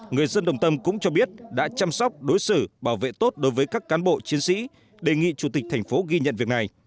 người dân đồng tâm cũng cho biết đã chăm sóc đối xử bảo vệ tốt đối với các cán bộ chiến sĩ đề nghị chủ tịch thành phố ghi nhận việc này